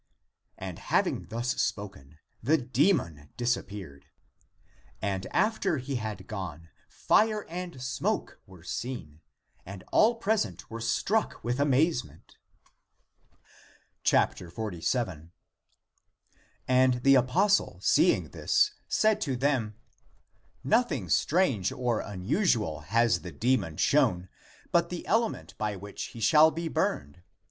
And having thus spoken, the demon disappeared. And after he had gone fire and smoke were seen, and all present were struck with amazement. 47. And the apostle, seeing this, said to them, " Nothing strange or unusual has the demon shown, but tlie element by which he shall be burned.